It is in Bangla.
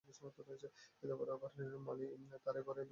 এতবড়ো ঘরের মালী, তারই ঘরে বিয়ে, দেশসুদ্ধ লোক তাকিয়ে আছে।